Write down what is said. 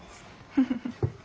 フフフッ。